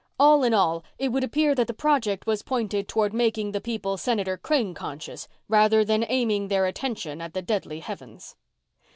All in all, it would appear that the project was pointed toward making the people Senator Crane conscious rather than aiming their attention at the deadly heavens.